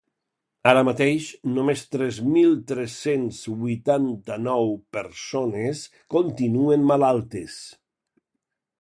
Ara mateix, només tres mil tres-cents vuitanta-nou persones continuen malaltes.